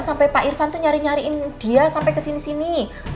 sampai pak irvan tuh nyari nyariin dia sampai ke sini sini